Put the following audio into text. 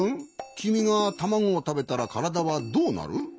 きみがたまごをたべたらからだはどうなる？